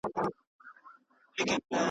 څه تخمونه د فساد مو دي شيندلي .